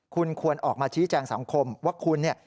คุณควรออกมาชี้แจงสังคมว่าคุณเนี่ย